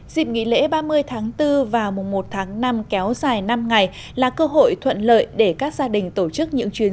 dịp nghỉ lễ ba mươi tháng bốn và mùa một tháng năm kéo dài năm ngày là cơ hội thuận lợi để các gia đình tổ chức những chuyến